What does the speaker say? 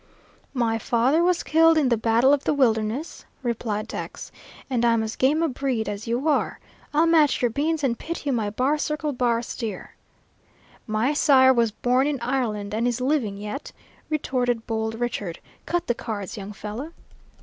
"My father was killed in the battle of the Wilderness," replied Tex, "and I'm as game a breed as you are. I'll match your beans and pit you my bar circle bar steer." "My sire was born in Ireland and is living yet," retorted Bold Richard. "Cut the cards, young fellow."